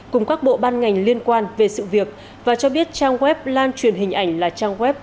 cùng các bộ ban ngành liên quan về sự việc và cho biết trang web lan truyền hình ảnh là trang web